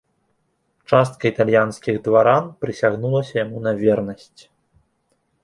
Частка італьянскіх дваран прысягнулася яму на вернасць.